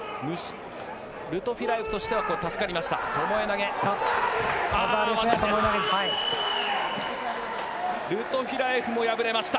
ルトフィラエフとしては助かりました。